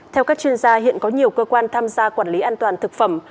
theo các chuyên gia hiện có nhiều cơ quan tham gia quản lý an toàn thực phẩm